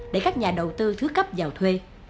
để các nhà đầu tư thứ cấp vào thuê